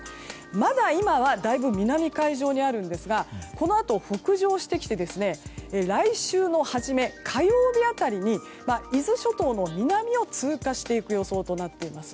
まだ今はだいぶ南海上にあるんですがこのあと、北上して来週の初め、火曜日辺りに伊豆諸島の南を通過していく予想となっています。